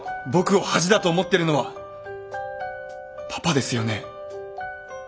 僕を恥だと思ってるのはパパですよね？